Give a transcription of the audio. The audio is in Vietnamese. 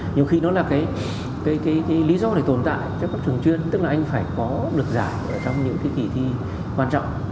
nhiều khi nó là cái lý do để tồn tại các trường chuyên tức là anh phải có lực giải trong những kỳ thi quan trọng